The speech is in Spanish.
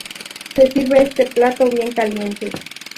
Se sirve este plato bien caliente.